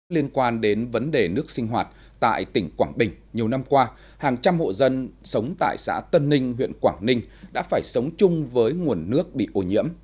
liên quan đến vấn đề nước sinh hoạt tại tỉnh quảng bình nhiều năm qua hàng trăm hộ dân sống tại xã tân ninh huyện quảng ninh đã phải sống chung với nguồn nước bị ô nhiễm